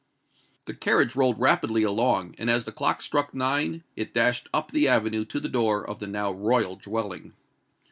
The carriage rolled rapidly along; and as the clock struck nine it dashed up the avenue to the door of the now royal dwelling.